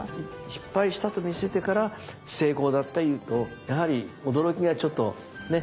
失敗したと見せてから成功だって言うとやはり驚きがちょっとね？